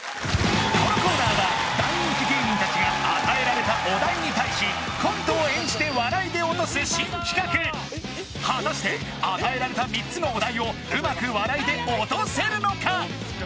このコーナーは大人気芸人達が与えられたお題に対しコントを演じて笑いでオトす新企画果たして与えられた３つのお題をうまく笑いでオトせるのか？